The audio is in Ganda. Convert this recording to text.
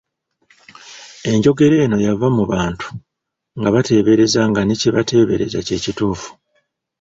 Enjogera eno yava mu Bantu nga bateebereza nga ne kyebateeberezza kye kituufu.